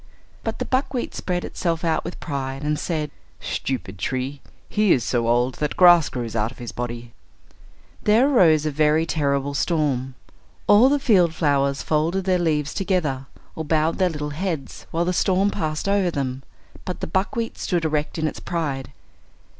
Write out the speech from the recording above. But the buckwheat spread itself out with pride, and said, "Stupid tree; he is so old that grass grows out of his body." There arose a very terrible storm. All the field flowers folded their leaves together, or bowed their little heads, while the storm passed over them, but the buckwheat stood erect in its pride.